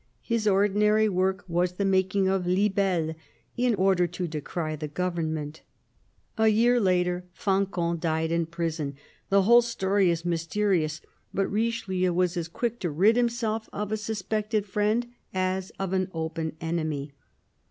His ordinary work was the making of libelles in order to decry the government "(!). A year later, Fancan died in prison. The whole story is mysterfous ; but Richelieu was as quick to rid himself of a suspected friend as of an open enemy.